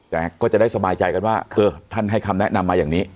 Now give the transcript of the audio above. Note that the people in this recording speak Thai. แต่ก็จะได้สบายใจกันว่าเออท่านให้คำแนะนำมาอย่างนี้